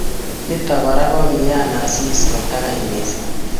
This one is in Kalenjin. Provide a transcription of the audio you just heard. Nito Kora kokiyai Asisi kotangany missing